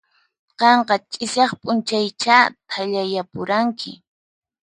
Qanqa ch'isiaq p'unchaychá thallayapuranki.